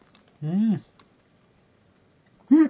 うん！